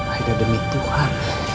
aida demi tuhan